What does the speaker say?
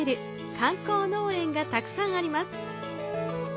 観光農園がたくさんあります。